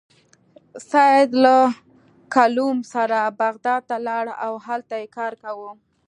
سید له کلوم سره بغداد ته لاړ او هلته یې کار کاوه.